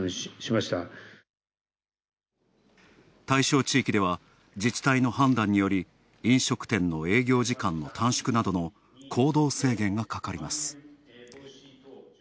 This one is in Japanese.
対象地域では自治体の判断により飲食店の営業時間の短縮などの行動制限がかかります。